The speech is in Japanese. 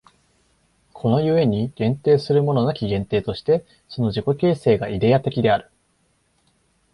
この故に限定するものなき限定として、その自己形成がイデヤ的である。